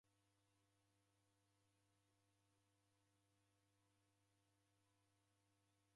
Nawika kilambo chew'inyora